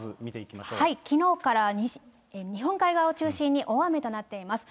きのうから日本海側を中心に大雨となっています。